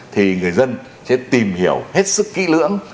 thì người dân sẽ tìm hiểu hết sức kỹ lưỡng